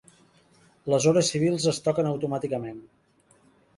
Les hores civils es toquen automàticament.